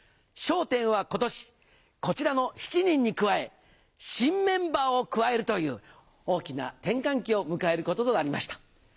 『笑点』は今年こちらの７人に加え新メンバーを加えるという大きな転換期を迎えることとなりました。